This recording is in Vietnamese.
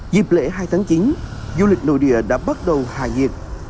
dịp lễ hai tháng chín du lịch nội địa đã bắt đầu hạ nhiệt